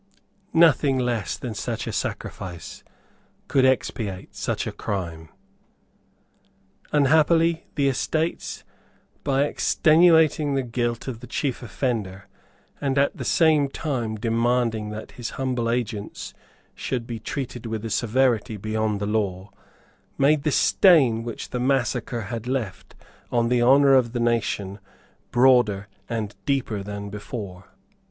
Nothing less than such a sacrifice could expiate such a crime. Unhappily the Estates, by extenuating the guilt of the chief offender, and, at the same time, demanding that his humble agents should be treated with a severity beyond the law, made the stain which the massacre had left on the honour of the nation broader and deeper than before.